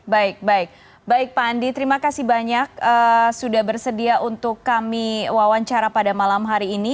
baik baik pak andi terima kasih banyak sudah bersedia untuk kami wawancara pada malam hari ini